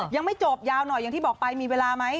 ยังไม่จบยาวหน่อยอย่างที่บอกไปมีเวลาไหม